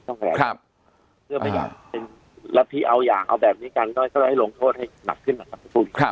ต้องขยายครับเพื่อไม่อยากเป็นรับที่เอาอย่างเอาแบบนี้กันก็จะได้ให้ลงโทษให้หนักขึ้นมาครับครับ